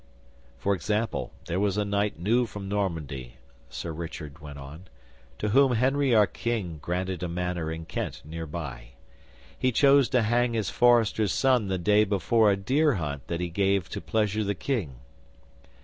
'For example, there was a knight new from Normandy,' Sir Richard went on, 'to whom Henry our King granted a manor in Kent near by. He chose to hang his forester's son the day before a deer hunt that he gave to pleasure the King.